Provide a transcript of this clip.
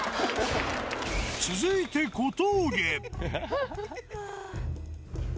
続いて小峠。